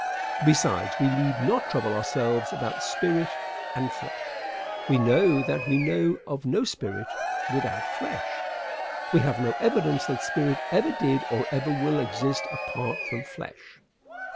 Besides, we need not trouble ourselves about "spirit" and "flesh." We know that we know of no spirit without flesh. We have no evidence that spirit ever did or ever will exist apart from flesh.